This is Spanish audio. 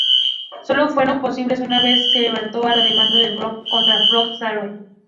Solo fueron posibles una vez se levantó la demanda de Borland contra Fox Software.